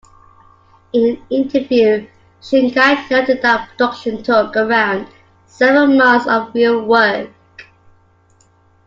In an interview, Shinkai noted that production took around seven months of "real work".